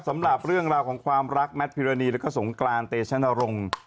สำหรับเรื่องราวของความรักแมทพิรณีแล้วก็สงกรานเตชนรงค์